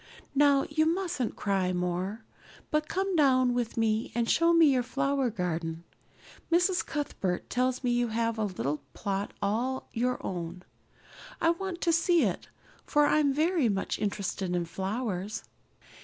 Now, you mustn't cry any more, but come down with me and show me your flower garden. Miss Cuthbert tells me you have a little plot all your own. I want to see it, for I'm very much interested in flowers."